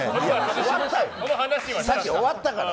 その話はさっき終わったから！